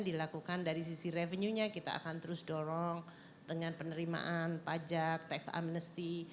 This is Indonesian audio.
dilakukan dari sisi revenue nya kita akan terus dorong dengan penerimaan pajak tax amnesty